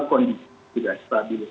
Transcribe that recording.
kondisi tidak stabil